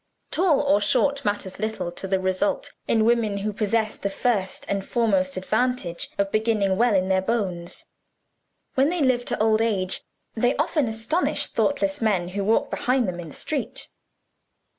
Tall or short matters little to the result, in women who possess the first and foremost advantage of beginning well in their bones. When they live to old age, they often astonish thoughtless men, who walk behind them in the street.